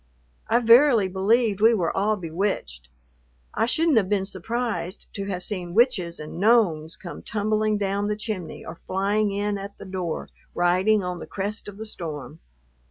I verily believe we were all bewitched. I shouldn't have been surprised to have seen witches and gnomes come tumbling down the chimney or flying in at the door, riding on the crest of the storm.